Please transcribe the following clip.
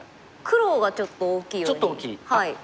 黒がちょっと大きいように。